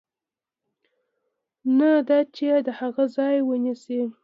نه دا چې د هغه ځای ونیسي.